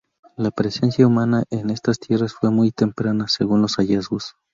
La presencia humana en estas tierras fue muy temprana, según los hallazgos.